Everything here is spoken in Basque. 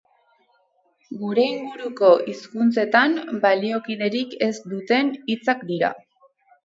Gure inguruko hizkuntzetan baliokiderik ez duten hitzak dira.